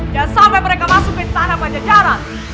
dan sampai mereka masuk ke tanah pancacaran